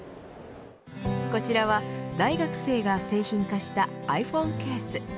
こちらは、大学生が製品化したｉＰｈｏｎｅケース。